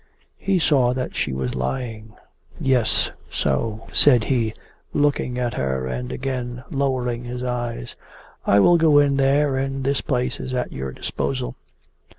He saw that she was lying. 'Yes... so,' said he, looking at her and again lowering his eyes. 'I will go in there, and this place is at your disposal.